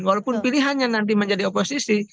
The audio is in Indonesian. walaupun pilihannya nanti menjadi oposisi